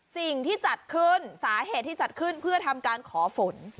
สิ่งที่จัดขึ้นสาเหตุที่จัดขึ้นเพื่อทำการขอฝน